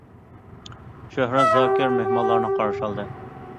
شۆھرەت زاكىر مېھمانلارنى قارشى ئالدى.